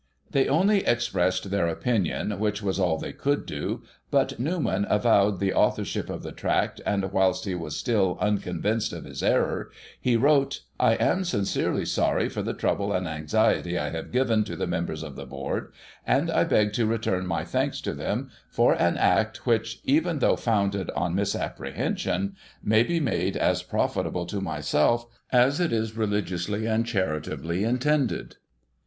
They only expressed their opinion which was all they could do, but Newman avowed the authorship of the Tract, and whilst he was still uncon vinced of his error, he wrote, "I am sincerely sorry for the trouble and anxiety I have given to the members of the Board, and I beg to return my thanks to them, for an act which, even though founded on misapprehen^on, may be made as pro fitable to myself, as it is religiously and charitably intended."